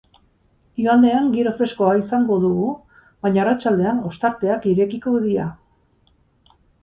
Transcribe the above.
Igandean giro freskoa izango dugu baina arratsaldean ostarteak irekiko dira.